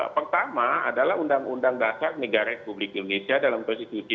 pertama adalah undang undang dasar negara republik indonesia dalam konstitusi